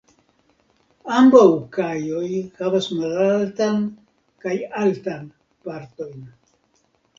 Ambaŭ kajoj havas malaltan kaj altan partojn.